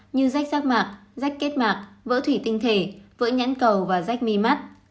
như rách rác mạc rách kết mạc vỡ thủy tinh thể vỡ nhãn cầu và rách mi mắt